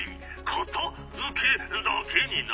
かたづけだけにな！